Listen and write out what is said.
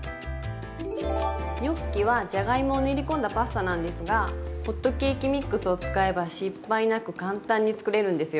ニョッキはじゃがいもを練り込んだパスタなんですがホットケーキミックスを使えば失敗なく簡単に作れるんですよ。